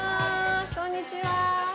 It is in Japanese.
こんにちは。